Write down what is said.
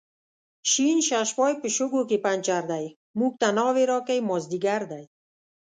شین ششپای په شګو کې پنچر دی، موږ ته ناوې راکئ مازدیګر دی